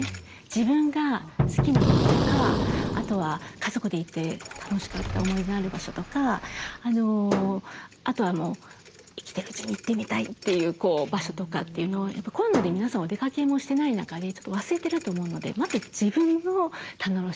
自分が好きなこととかあとは家族で行って楽しかった思い出のある場所とかあとはもう生きてるうちに行ってみたいという場所とかっていうのをやっぱコロナで皆さんお出かけもしてない中でちょっと忘れてると思うのでまず自分の棚卸しをする。